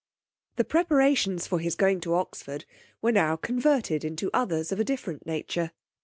The preparations for his going to Oxford were now converted into others of a different nature.